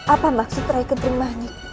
apa maksud rai ketrim banyik